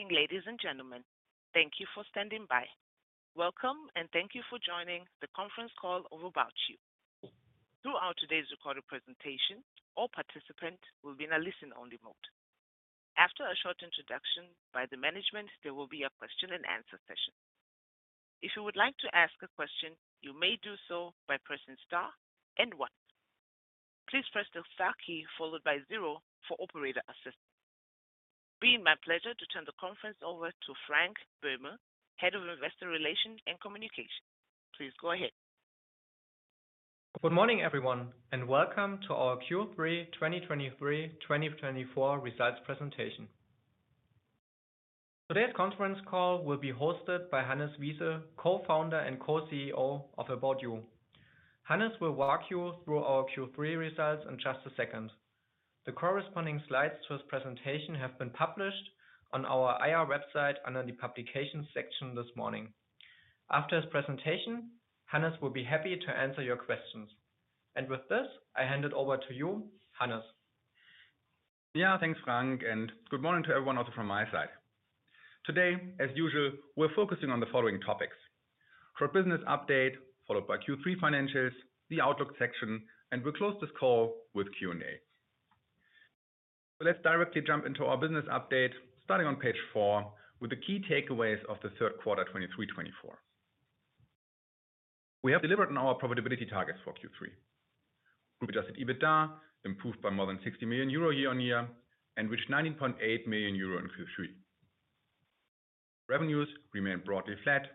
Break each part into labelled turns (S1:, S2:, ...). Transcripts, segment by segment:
S1: Good morning, ladies and gentlemen. Thank you for standing by. Welcome, and thank you for joining the conference call of ABOUT YOU. Throughout today's recorded presentation, all participants will be in a listen-only mode. After a short introduction by the management, there will be a question and answer session. If you would like to ask a question, you may do so by pressing star and one. Please press the star key followed by zero for operator assistance. It will be my pleasure to turn the conference over to Frank Böhme, Head of Investor Relations and Communication. Please go ahead.
S2: Good morning, everyone, and welcome to our Q3 2023/2024 results presentation. Today's conference call will be hosted by Hannes Wiese, Co-Founder and Co-CEO of About You. Hannes will walk you through our Q3 results in just a second. The corresponding slides to his presentation have been published on our IR website under the Publications section this morning. After his presentation, Hannes will be happy to answer your questions. With this, I hand it over to you, Hannes.
S3: Yeah, thanks, Frank, and good morning to everyone also from my side. Today, as usual, we're focusing on the following topics: our business update, followed by Q3 financials, the outlook section, and we'll close this call with Q&A. Let's directly jump into our business update, starting on page four with the key takeaways of the third quarter, 2023/2024. We have delivered on our profitability targets for Q3. Group Adjusted EBITDA improved by more than 60 million euro year-on-year, and reached 19.8 million euro in Q3. Revenues remained broadly flat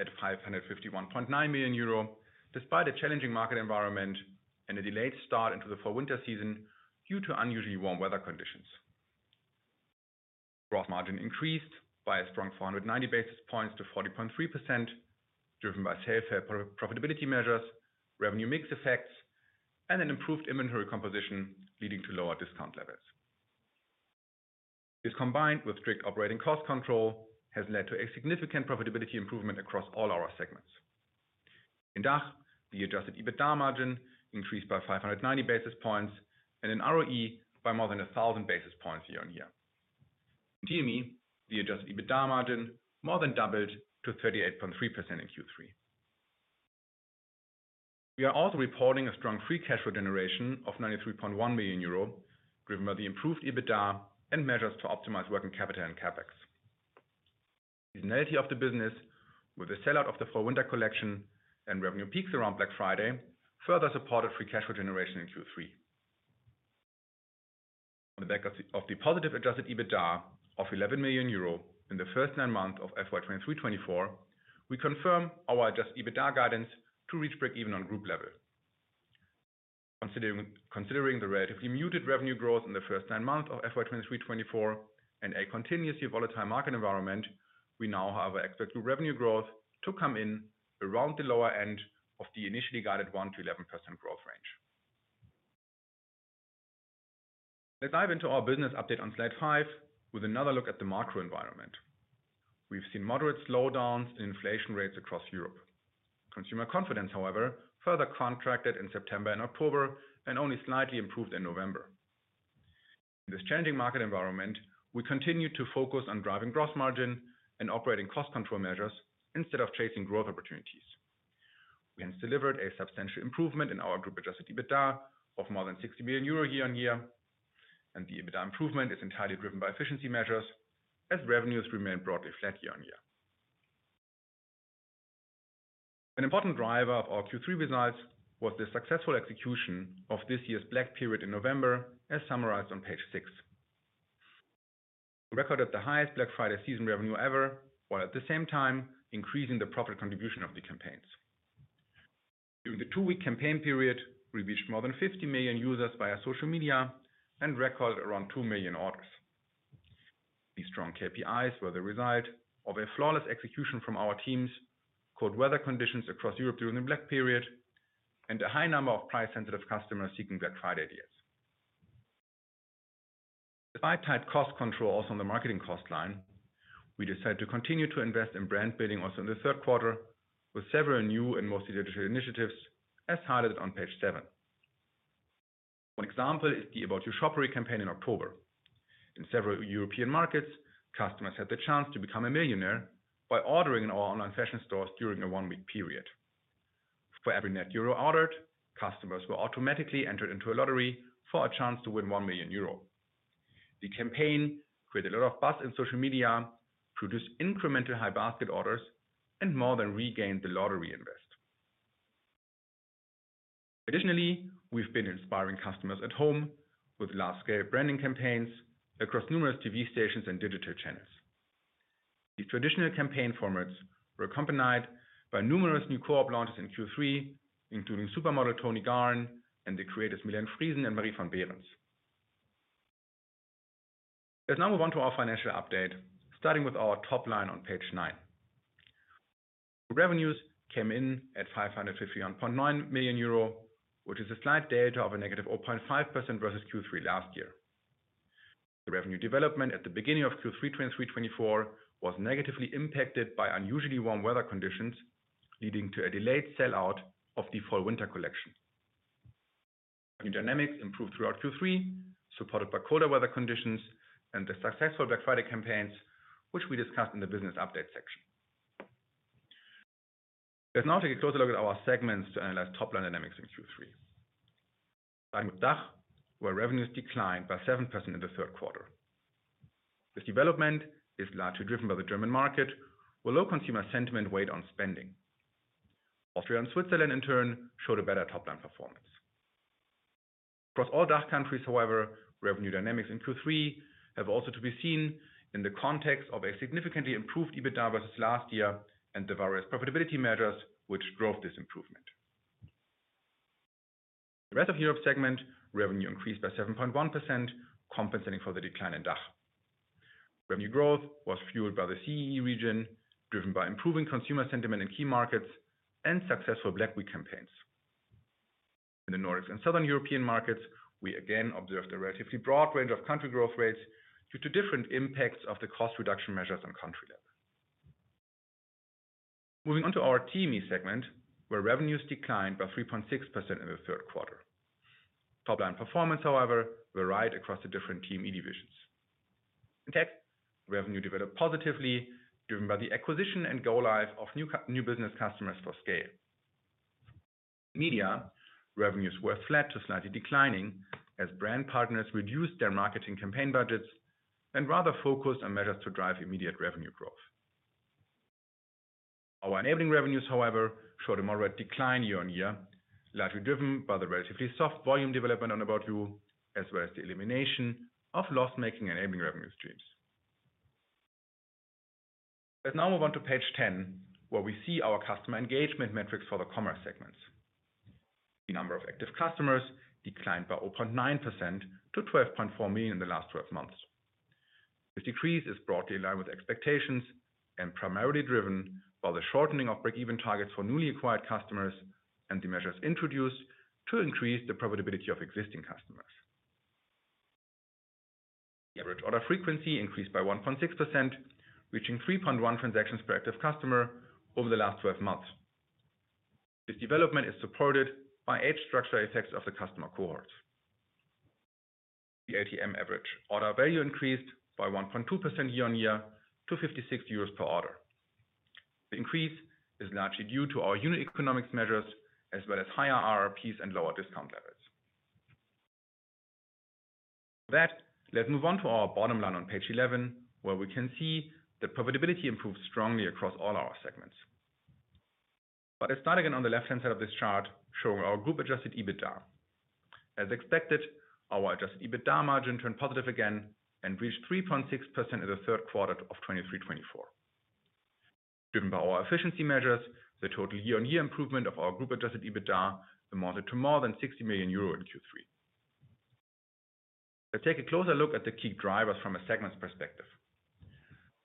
S3: at 551.9 million euro, despite a challenging market environment and a delayed start into the fall/winter season due to unusually warm weather conditions. Gross margin increased by a strong 490 basis points to 40.3%, driven by our profitability measures, revenue mix effects, and an improved inventory composition, leading to lower discount levels. This, combined with strict operating cost control, has led to a significant profitability improvement across all our segments. In DACH, the adjusted EBITDA margin increased by 590 basis points and in ROE by more than 1,000 basis points year-on-year. In TME, the adjusted EBITDA margin more than doubled to 38.3% in Q3. We are also reporting a strong free cash flow generation of 93.1 million euro, driven by the improved EBITDA and measures to optimize working capital and CapEx. The seasonality of the business with the sell-out of the fall/winter collection and revenue peaks around Black Friday, further supported free cash flow generation in Q3. On the back of the positive adjusted EBITDA of 11 million euro in the first nine months of FY 2023/2024, we confirm our adjusted EBITDA guidance to reach break-even on group level. Considering the relatively muted revenue growth in the first nine months of FY 2023/2024 and a continuously volatile market environment, we now have our expected revenue growth to come in around the lower end of the initially guided 1%-11% growth range. Let's dive into our business update on slide 5 with another look at the macro environment. We've seen moderate slowdowns in inflation rates across Europe. Consumer confidence, however, further contracted in September and October and only slightly improved in November. In this changing market environment, we continue to focus on driving gross margin and operating cost control measures instead of chasing growth opportunities. We hence delivered a substantial improvement in our group Adjusted EBITDA of more than 60 million euro year-on-year, and the EBITDA improvement is entirely driven by efficiency measures as revenues remain broadly flat year-on-year. An important driver of our Q3 results was the successful execution of this year's Black Period in November, as summarized on page six. We recorded the highest Black Friday season revenue ever, while at the same time increasing the profit contribution of the campaigns. During the two-week campaign period, we reached more than 50 million users via social media and recorded around 2 million orders. These strong KPIs were the result of a flawless execution from our teams, cold weather conditions across Europe during the Black period, and a high number of price-sensitive customers seeking Black Friday deals. Despite tight cost controls on the marketing cost line, we decided to continue to invest in brand building also in the third quarter, with several new and mostly digital initiatives, as highlighted on page seven. One example is the ABOUT YOU Shopperei campaign in October. In several European markets, customers had the chance to become a millionaire by ordering in our online fashion stores during a one-week period. For every net EUR ordered, customers were automatically entered into a lottery for a chance to win 1 million euro. The campaign, with a lot of buzz in social media, produced incremental high basket orders and more than regained the lottery invest. Additionally, we've been inspiring customers at home with large-scale branding campaigns across numerous TV stations and digital channels. The traditional campaign formats were accompanied by numerous new co-op launches in Q3, including supermodel Toni Garrn and the creators Millane Friesen and Marie von Behrens. Let's now move on to our financial update, starting with our top line on page nine. Revenues came in at 551.9 million euro, which is a slight delta of -0.5% versus Q3 last year. The revenue development at the beginning of Q3 2023/2024 was negatively impacted by unusually warm weather conditions, leading to a delayed sell-out of the fall/winter collection.... Dynamics improved throughout Q3, supported by colder weather conditions and the successful Black Friday campaigns, which we discussed in the business update section. Let's now take a closer look at our segments to analyze top line dynamics in Q3. Starting with DACH, where revenues declined by 7% in the third quarter. This development is largely driven by the German market, where low consumer sentiment weighed on spending. Austria and Switzerland, in turn, showed a better top line performance. Across all DACH countries, however, revenue dynamics in Q3 have also to be seen in the context of a significantly improved EBITDA versus last year and the various profitability measures which drove this improvement. The Rest of Europe segment, revenue increased by 7.1%, compensating for the decline in DACH. Revenue growth was fueled by the CEE region, driven by improving consumer sentiment in key markets and successful Black Week campaigns. In the Nordics and Southern European markets, we again observed a relatively broad range of country growth rates due to different impacts of the cost reduction measures on country level. Moving on to our TME segment, where revenues declined by 3.6% in the third quarter. Top line performance, however, were right across the different TME divisions. In tech, revenue developed positively, driven by the acquisition and go live of new new business customers for SCAYLE. Media, revenues were flat to slightly declining as brand partners reduced their marketing campaign budgets and rather focused on measures to drive immediate revenue growth. Our enabling revenues, however, showed a moderate decline year-on-year, largely driven by the relatively soft volume development on ABOUT YOU, as well as the elimination of loss-making enabling revenue streams. Let's now move on to page 10, where we see our customer engagement metrics for the commerce segments. The number of active customers declined by 0.9% to 12.4 million in the last 12 months. This decrease is broadly in line with expectations and primarily driven by the shortening of break-even targets for newly acquired customers and the measures introduced to increase the profitability of existing customers. The average order frequency increased by 1.6%, reaching 3.1 transactions per active customer over the last 12 months. This development is supported by age structure effects of the customer cohorts. The AOV average order value increased by 1.2% year-on-year to 56 euros per order. The increase is largely due to our unit economics measures, as well as higher RRPs and lower discount levels. That, let's move on to our bottom line on page 11, where we can see that profitability improved strongly across all our segments. But let's start again on the left-hand side of this chart, showing our group Adjusted EBITDA. As expected, our Adjusted EBITDA margin turned positive again and reached 3.6% in the third quarter of 2023/24. Driven by our efficiency measures, the total year-on-year improvement of our group Adjusted EBITDA amounted to more than 60 million euro in Q3. Let's take a closer look at the key drivers from a segments perspective.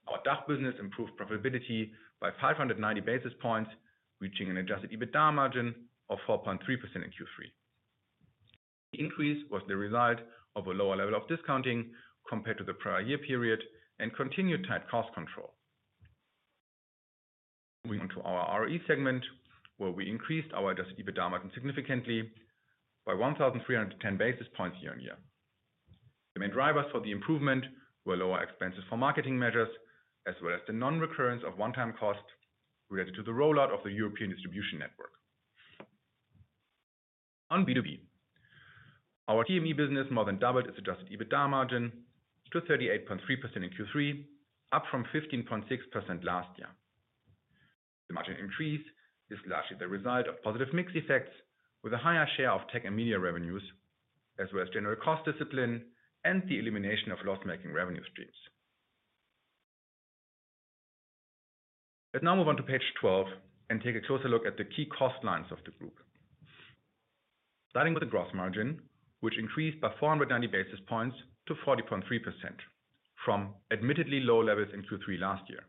S3: Our DACH business improved profitability by 590 basis points, reaching an Adjusted EBITDA margin of 4.3% in Q3. The increase was the result of a lower level of discounting compared to the prior year period and continued tight cost control. Moving on to our ROE segment, where we increased our adjusted EBITDA margin significantly by 1,310 basis points year-on-year. The main drivers for the improvement were lower expenses for marketing measures, as well as the non-recurrence of one-time cost related to the rollout of the European distribution network. On B2B, our TME business more than doubled its adjusted EBITDA margin to 38.3% in Q3, up from 15.6% last year. The margin increase is largely the result of positive mix effects with a higher share of tech and media revenues, as well as general cost discipline and the elimination of loss-making revenue streams. Let's now move on to page 12 and take a closer look at the key cost lines of the group. Starting with the gross margin, which increased by 490 basis points to 40.3%, from admittedly low levels in Q3 last year.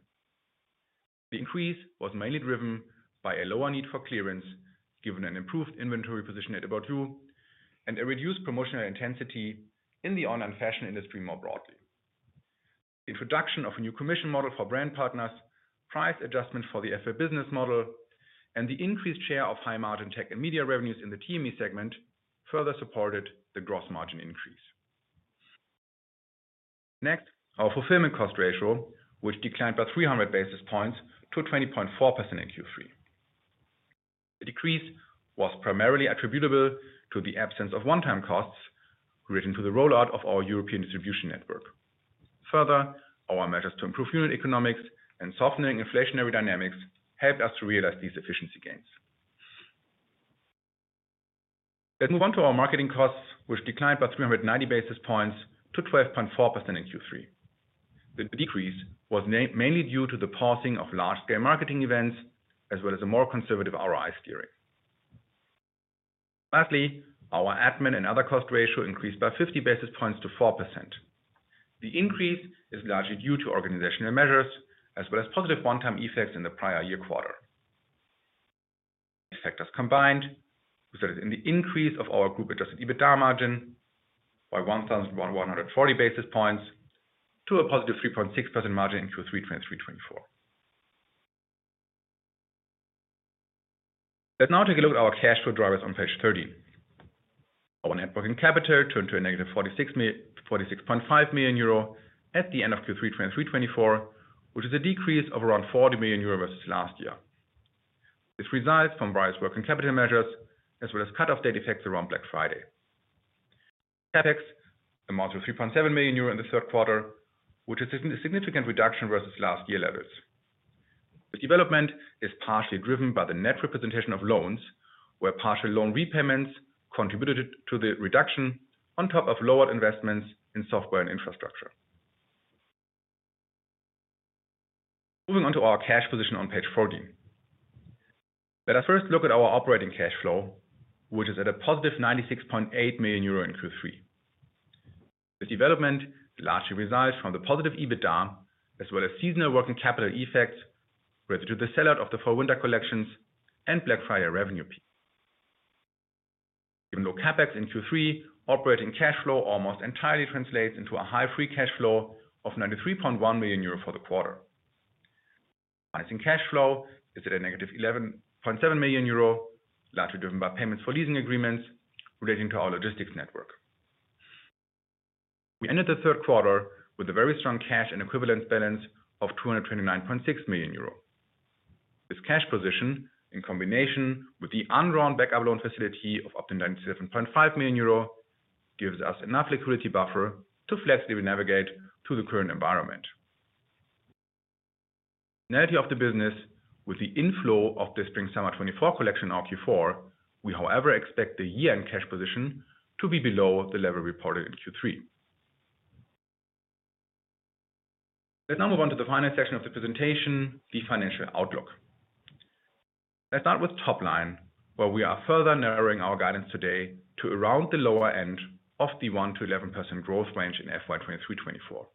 S3: The increase was mainly driven by a lower need for clearance, given an improved inventory position at ABOUT YOU, and a reduced promotional intensity in the online fashion industry more broadly. Introduction of a new commission model for brand partners, price adjustment for the FbAY business model, and the increased share of high-margin tech and media revenues in the TME segment, further supported the gross margin increase. Next, our fulfillment cost ratio, which declined by 300 basis points to 20.4% in Q3. The decrease was primarily attributable to the absence of one-time costs related to the rollout of our European distribution network. Further, our measures to improve unit economics and softening inflationary dynamics helped us to realize these efficiency gains. Let's move on to our marketing costs, which declined by 390 basis points to 12.4% in Q3. The decrease was mainly due to the pausing of large-scale marketing events, as well as a more conservative ROI steering. Lastly, our admin and other cost ratio increased by 50 basis points to 4%. The increase is largely due to organizational measures as well as positive one-time effects in the prior year quarter. Effects combined resulted in the increase of our group-adjusted EBITDA margin by 1,140 basis points to a positive 3.6% margin in Q3 2023-24.... Let's now take a look at our cash flow drivers on page 13. Our net working capital turned to a negative 46.5 million euro at the end of Q3 2023/24, which is a decrease of around 40 million euro versus last year. This arises from various working capital measures, as well as cut-off date effects around Black Friday. CapEx amounts to 3.7 million euro in the third quarter, which is a significant reduction versus last year levels. The development is partially driven by the net repayment of loans, where partial loan repayments contributed to the reduction on top of lower investments in software and infrastructure. Moving on to our cash position on page 14. Let us first look at our operating cash flow, which is at a positive 96.8 million euro in Q3. The development largely resides from the positive EBITDA, as well as seasonal working capital effects, relative to the sellout of the fall/winter collections and Black Friday revenue. Even though CapEx in Q3, operating cash flow almost entirely translates into a high free cash flow of 93.1 million euro for the quarter. Investing cash flow is at a negative 11.7 million euro, largely driven by payments for leasing agreements relating to our logistics network. We ended the third quarter with a very strong cash and equivalent balance of 229.6 million euro. This cash position, in combination with the undrawn backup loan facility of up to 97.5 million euro, gives us enough liquidity buffer to flexibly navigate through the current environment. Of the business, with the inflow of the spring/summer 2024 collection in our Q4, we, however, expect the year-end cash position to be below the level reported in Q3. Let's now move on to the final section of the presentation, the financial outlook. Let's start with top line, where we are further narrowing our guidance today to around the lower end of the 1%-11% growth range in FY 2023-2024.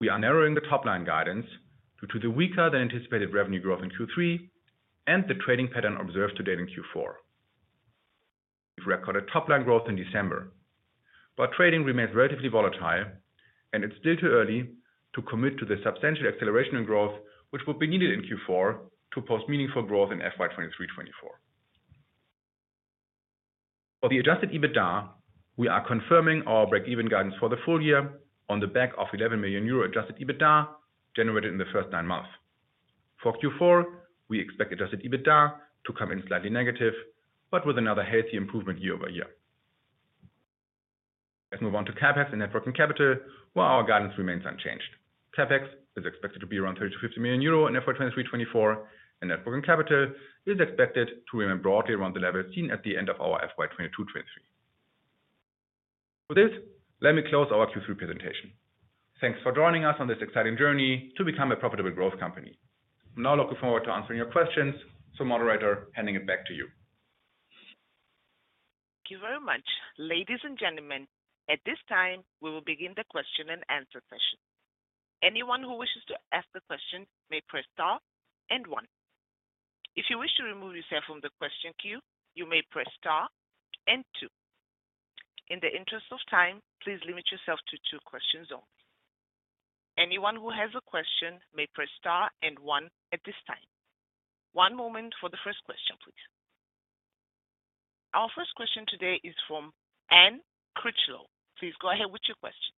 S3: We are narrowing the top-line guidance due to the weaker than anticipated revenue growth in Q3 and the trading pattern observed to date in Q4. We've recorded top-line growth in December, but trading remains relatively volatile, and it's still too early to commit to the substantial acceleration in growth, which will be needed in Q4 to post meaningful growth in FY 2023-2024. For the Adjusted EBITDA, we are confirming our break-even guidance for the full year on the back of 11 million euro Adjusted EBITDA generated in the first nine months. For Q4, we expect Adjusted EBITDA to come in slightly negative, but with another healthy improvement year-over-year. Let's move on to CapEx and net working capital, where our guidance remains unchanged. CapEx is expected to be around 30-50 million euro in FY 2023-2024, and net working capital is expected to remain broadly around the level seen at the end of our FY 2022-2023. With this, let me close our Q3 presentation. Thanks for joining us on this exciting journey to become a profitable growth company. I'm now looking forward to answering your questions, so moderator, handing it back to you.
S1: Thank you very much. Ladies and gentlemen, at this time, we will begin the question and answer session. Anyone who wishes to ask the question may press star and one. If you wish to remove yourself from the question queue, you may press star and two. In the interest of time, please limit yourself to two questions only. Anyone who has a question may press star and one at this time. One moment for the first question, please. Our first question today is from Anne Critchlow. Please go ahead with your question.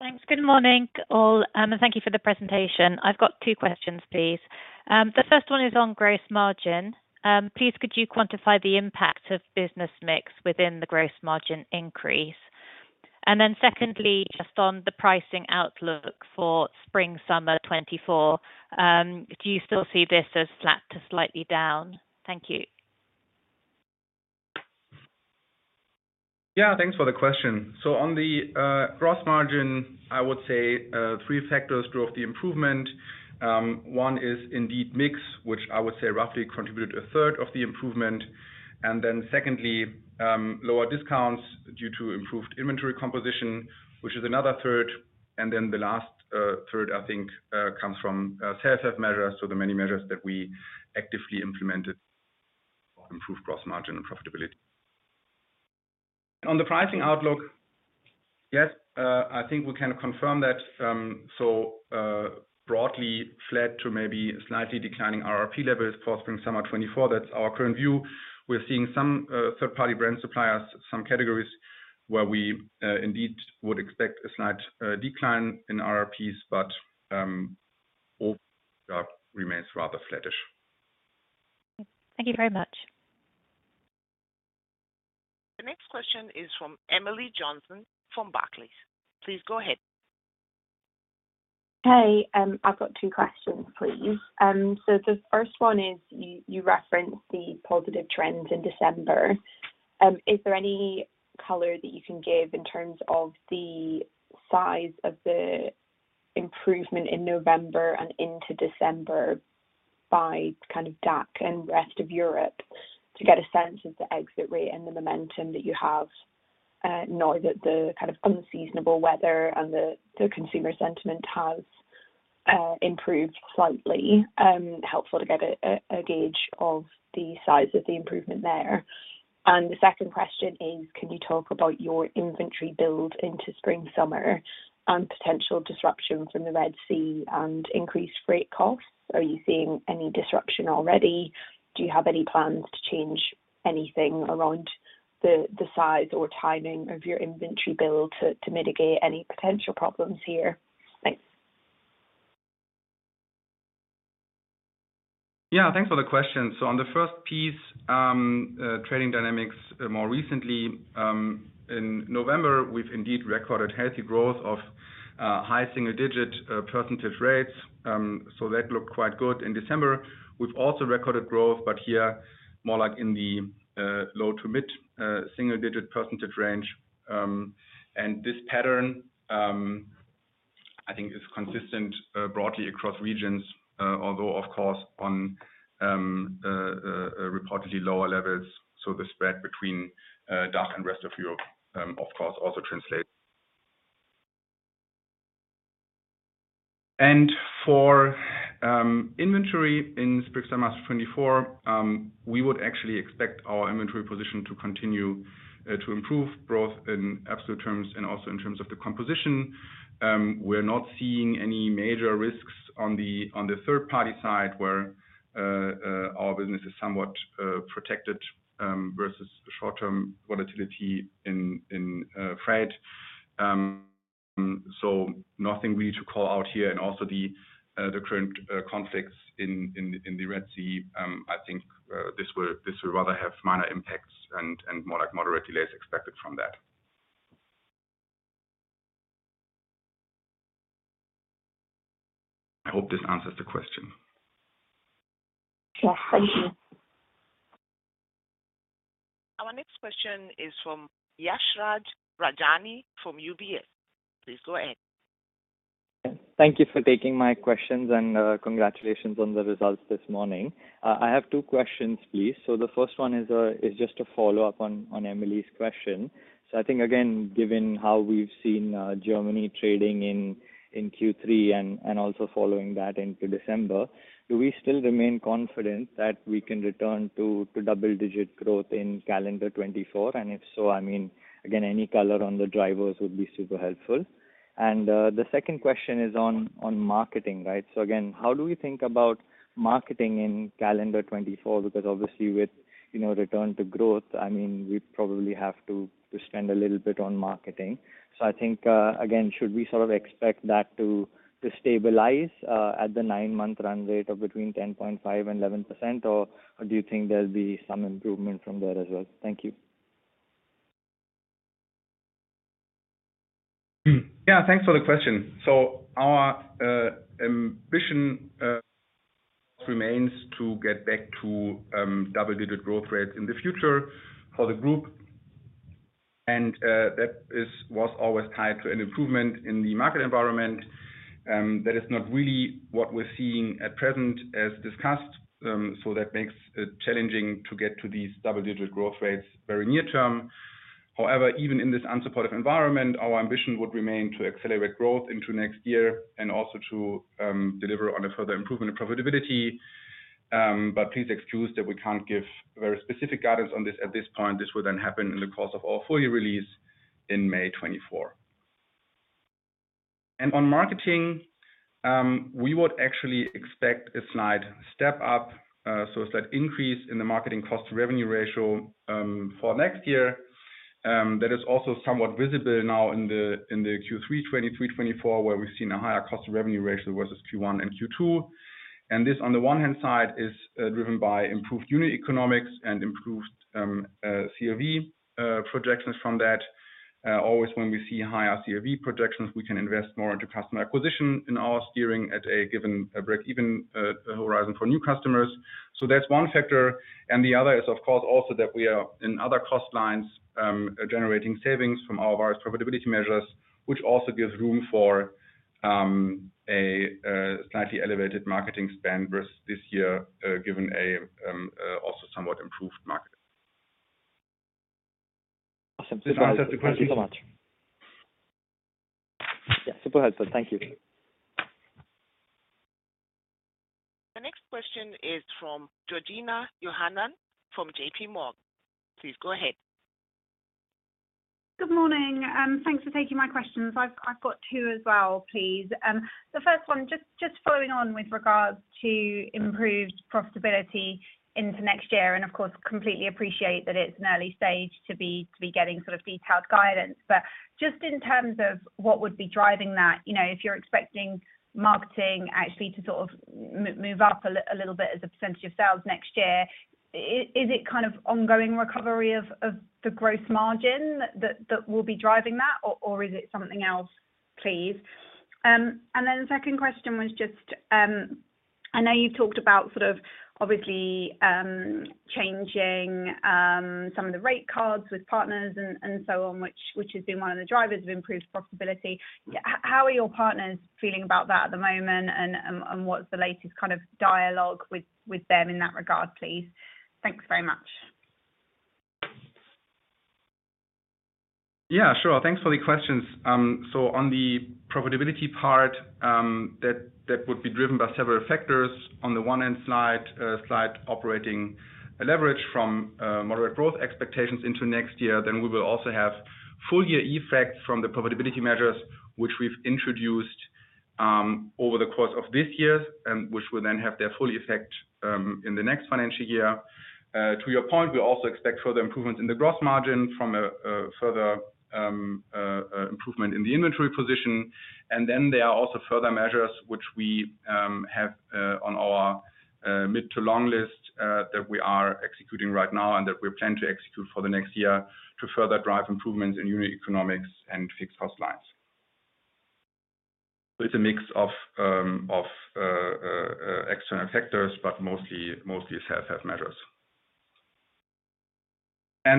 S4: Thanks. Good morning, all, and thank you for the presentation. I've got two questions, please. The first one is on gross margin. Please, could you quantify the impact of business mix within the gross margin increase? And then secondly, just on the pricing outlook for spring/summer 2024, do you still see this as flat to slightly down? Thank you.
S3: Yeah, thanks for the question. So on the gross margin, I would say three factors drove the improvement. One is indeed mix, which I would say roughly contributed a third of the improvement, and then secondly, lower discounts due to improved inventory composition, which is another third, and then the last third, I think, comes from measures, so the many measures that we actively implemented to improve gross margin and profitability. On the pricing outlook, yes, I think we can confirm that, so broadly flat to maybe slightly declining RRP levels for spring/summer 2024. That's our current view. We're seeing some third-party brand suppliers, some categories where we indeed would expect a slight decline in RRPs, but all remains rather flattish.
S4: Thank you very much.
S1: The next question is from Emily Johnson, from Barclays. Please go ahead.
S5: Hey, I've got two questions, please. So the first one is, you referenced the positive trends in December. Is there any color that you can give in terms of the size of the improvement in November and into December by kind of DACH and rest of Europe, to get a sense of the exit rate and the momentum that you have? Now that the kind of unseasonable weather and the consumer sentiment has improved slightly, helpful to get a gauge of the size of the improvement there. The second question is, can you talk about your inventory build into spring/summer and potential disruption from the Red Sea and increased freight costs? Are you seeing any disruption already? Do you have any plans to change anything around the size or timing of your inventory build to mitigate any potential problems here? Thanks.
S3: Yeah. Thanks for the question. So on the first piece, trading dynamics, more recently, in November, we've indeed recorded healthy growth of high single-digit percentage rates. So that looked quite good. In December, we've also recorded growth, but here, more like in the low- to mid-single-digit percentage range. And this pattern, I think is consistent broadly across regions, although of course, on reportedly lower levels. So the spread between DACH and Rest of Europe, of course, also translates. And for inventory in spring/summer 2024, we would actually expect our inventory position to continue to improve, both in absolute terms and also in terms of the composition. We're not seeing any major risks on the third-party side, where our business is somewhat protected versus short-term volatility in freight. So nothing we need to call out here. And also the current conflicts in the Red Sea, I think this will rather have minor impacts and more like moderately less expected from that. I hope this answers the question.
S5: Yes. Thank you.
S1: Our next question is from Yashraj Rajani from UBS. Please go ahead.
S6: Thank you for taking my questions, and, congratulations on the results this morning. I have two questions, please. So the first one is just a follow-up on Emily's question. So I think, again, given how we've seen, Germany trading in Q3 and also following that into December, do we still remain confident that we can return to double-digit growth in calendar 2024? And if so, I mean, again, any color on the drivers would be super helpful. And, the second question is on marketing, right? So again, how do we think about marketing in calendar 2024? Because obviously with, you know, return to growth, I mean, we probably have to spend a little bit on marketing. So I think, again, should we sort of expect that to stabilize at the nine-month run rate of between 10.5% and 11%, or do you think there'll be some improvement from there as well? Thank you.
S3: Yeah. Thanks for the question. So our ambition remains to get back to double-digit growth rates in the future for the group, and that is, was always tied to an improvement in the market environment. That is not really what we're seeing at present, as discussed, so that makes it challenging to get to these double-digit growth rates very near term. However, even in this unsupportive environment, our ambition would remain to accelerate growth into next year and also to deliver on a further improvement in profitability. But please excuse that we can't give very specific guidance on this at this point. This will then happen in the course of our full year release in May 2024. On marketing, we would actually expect a slight step up, so a slight increase in the marketing cost to revenue ratio, for next year. That is also somewhat visible now in the Q3 2023-2024, where we've seen a higher cost of revenue ratio versus Q1 and Q2. This, on the one hand side, is driven by improved unit economics and improved CLV projections from that. Always when we see higher CLV projections, we can invest more into customer acquisition in our steering at a given, a break-even horizon for new customers. That's one factor. And the other is, of course, also that we are, in other cost lines, generating savings from all of our profitability measures, which also gives room for a slightly elevated marketing spend versus this year, given also somewhat improved market.
S6: Awesome.
S3: This answers the question?
S6: Thank you very much. Yeah, super helpful. Thank you.
S1: The next question is from Georgina Johanan from JPMorgan. Please go ahead.
S7: Good morning, thanks for taking my questions. I've got two as well, please. The first one, just following on with regards to improved profitability into next year, and of course, completely appreciate that it's an early stage to be getting sort of detailed guidance. But just in terms of what would be driving that, you know, if you're expecting marketing actually to sort of move up a little bit as a percentage of sales next year, is it kind of ongoing recovery of the growth margin that will be driving that, or is it something else, please? And then the second question was just, I know you talked about sort of obviously changing some of the rate cards with partners and so on, which has been one of the drivers of improved profitability. How are your partners feeling about that at the moment, and what's the latest kind of dialogue with them in that regard, please? Thanks very much.
S3: Yeah, sure. Thanks for the questions. So on the profitability part, that would be driven by several factors. On the one hand, operating leverage from moderate growth expectations into next year, then we will also have full year effect from the profitability measures, which we've introduced over the course of this year, and which will then have their full effect in the next financial year. To your point, we also expect further improvements in the gross margin from a further improvement in the inventory position. And then there are also further measures which we have on our mid to long list that we are executing right now and that we plan to execute for the next year to further drive improvements in unit economics and fixed cost lines. So it's a mix of external factors, but mostly self-help measures.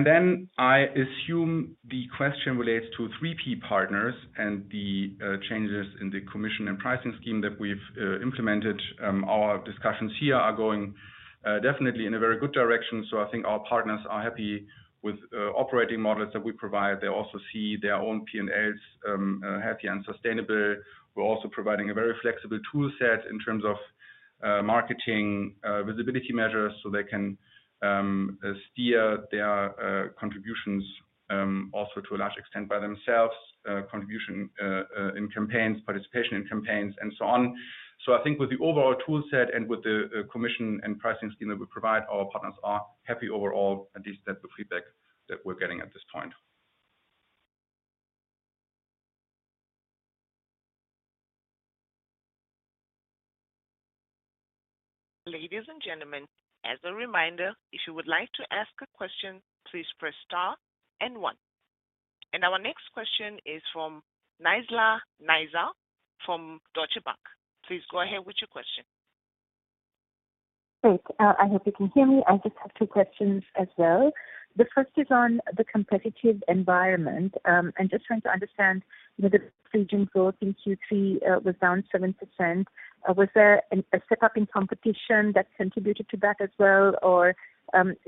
S3: Then I assume the question relates to three key partners and the changes in the commission and pricing scheme that we've implemented. Our discussions here are going definitely in a very good direction, so I think our partners are happy with operating models that we provide. They also see their own P&Ls happy and sustainable. We're also providing a very flexible tool set in terms of marketing visibility measures, so they can steer their contributions also to a large extent by themselves, contributions in campaigns, participation in campaigns, and so on. I think with the overall tool set and with the commission and pricing scheme that we provide, our partners are happy overall, at least that's the feedback that we're getting at this point.
S1: Ladies and gentlemen, as a reminder, if you would like to ask a question, please press star and one. Our next question is from Nizla Naizer from Deutsche Bank. Please go ahead with your question.
S8: Great. I hope you can hear me. I just have two questions as well. The first is on the competitive environment. I'm just trying to understand, you know, the region growth in Q3 was down 7%. Was there a step up in competition that contributed to that as well, or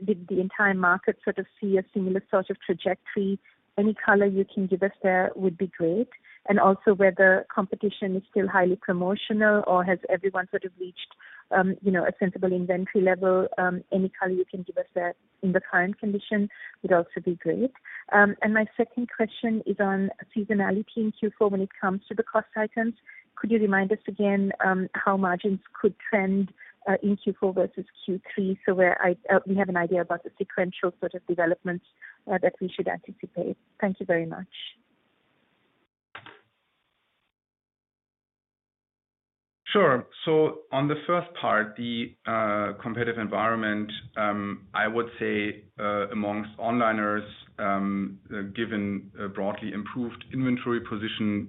S8: did the entire market sort of see a similar sort of trajectory? Any color you can give us there would be great. And also whether competition is still highly promotional or has everyone sort of reached, you know, a sensible inventory level, any color you can give us that in the current condition would also be great. And my second question is on seasonality in Q4 when it comes to the cost items. Could you remind us again, how margins could trend, in Q4 versus Q3, so where I, we have an idea about the sequential sort of developments, that we should anticipate? Thank you very much.
S3: Sure. So on the first part, the competitive environment, I would say, among onliners, given a broadly improved inventory position,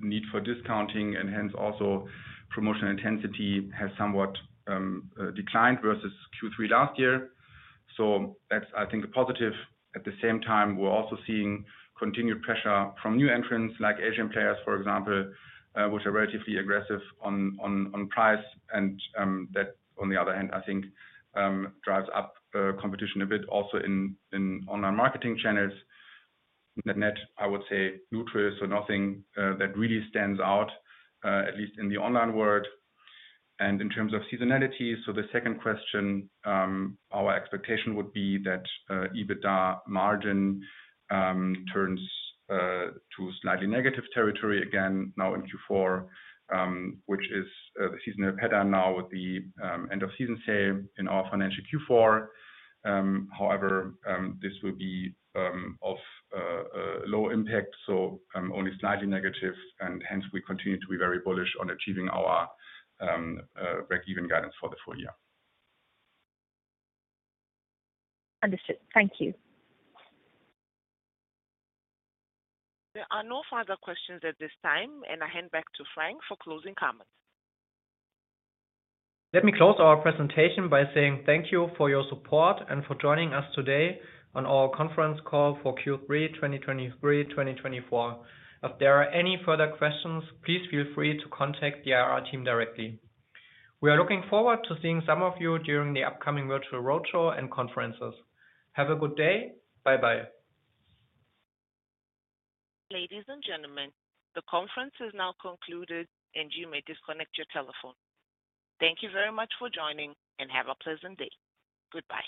S3: need for discounting, and hence, also promotional intensity has somewhat declined versus Q3 last year. So that's, I think, a positive. At the same time, we're also seeing continued pressure from new entrants, like Asian players, for example, which are relatively aggressive on price, and that on the other hand, I think, drives up competition a bit also in online marketing channels. Net, net, I would say neutral, so nothing that really stands out, at least in the online world. In terms of seasonality, so the second question, our expectation would be that EBITDA margin turns to slightly negative territory again now in Q4, which is the seasonal pattern now with the end of season sale in our financial Q4. However, this will be of low impact, so only slightly negative, and hence we continue to be very bullish on achieving our breakeven guidance for the full year.
S8: Understood. Thank you.
S1: There are no further questions at this time, and I hand back to Frank for closing comments.
S2: Let me close our presentation by saying thank you for your support and for joining us today on our conference call for Q3 2023, 2024. If there are any further questions, please feel free to contact the IR team directly. We are looking forward to seeing some of you during the upcoming virtual roadshow and conferences. Have a good day. Bye-bye.
S1: Ladies and gentlemen, the conference is now concluded, and you may disconnect your telephone. Thank you very much for joining, and have a pleasant day. Goodbye.